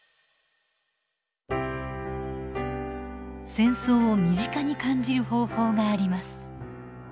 戦争を身近に感じる方法があります。